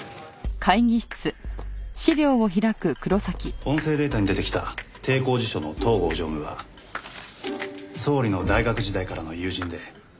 音声データに出てきた帝光地所の東郷常務は総理の大学時代からの友人で親しい仲でした。